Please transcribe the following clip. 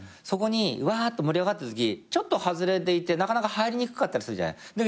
そこにうわっと盛り上がったときちょっと外れでいてなかなか入りにくかったりするじゃない。